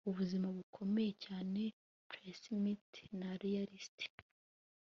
ubuzima bukomeye cyane pessimist na realist